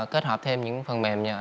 kết hợp thêm những phần mềm